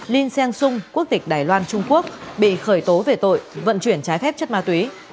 linh sang sung quốc tịch đài loan trung quốc bị khởi tố về tội vận chuyển trái phép chất ma túy